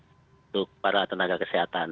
ya tiga untuk para tenaga kesehatan